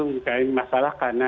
bukan masalah karena